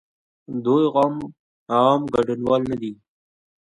دوئ عام کډوال نه دي.